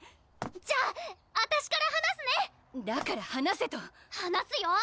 じゃああたしから話すねだから放せと話すよ！